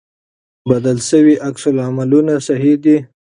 بدل شوي عکس العملونه صحي دي.